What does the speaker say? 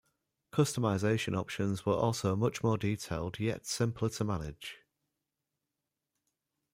Customisation options were also much more detailed yet simpler to manage.